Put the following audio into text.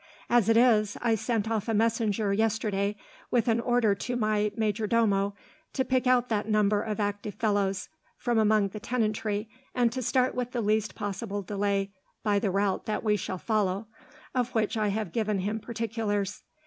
As it is, I sent off a messenger, yesterday, with an order to my majordomo to pick out that number of active fellows, from among the tenantry, and to start with the least possible delay by the route that we shall follow, of which I have given him particulars.